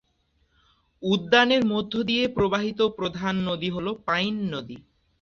উদ্যানের মধ্য দিয়ে প্রবাহিত প্রধান নদী হল পাইন নদী।